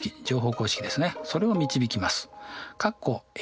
それを導きます。